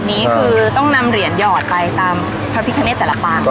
นี้คือต้องนำเหรียญหยอดไปตามพระพิคเนตแต่ละปาง